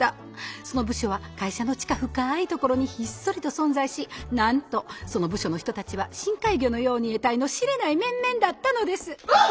その部署は会社の地下深いところにひっそりと存在しなんとその部署の人たちは深海魚のようにえたいの知れない面々だったのです！